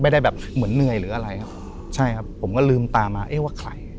ไม่ได้แบบเหมือนเหนื่อยหรืออะไรครับใช่ครับผมก็ลืมตามาเอ๊ะว่าใคร